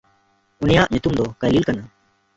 ᱩᱱᱤᱭᱟᱜ ᱧᱩᱛᱩᱢ ᱫᱚ ᱠᱟᱭᱞᱤᱞ ᱠᱟᱱᱟ᱾